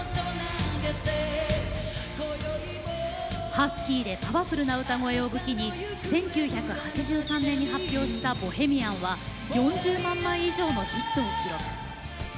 ハスキーでパワフルな歌声を武器に１９８３年に発表した「ボヘミアン」は４０万枚以上のヒットを記録。